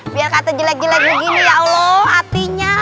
biar kata jelek jelek begini ya allah hatinya